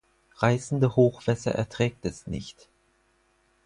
Reißende Hochwässer erträgt es nicht.